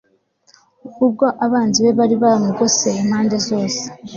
ubwo abanzi be bari bamugose impande zose